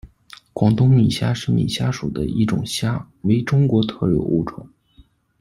广东米虾是米虾属的一种虾，为中国特有物种。